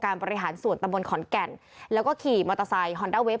บริหารส่วนตะบนขอนแก่นแล้วก็ขี่มอเตอร์ไซค์ฮอนด้าเฟฟ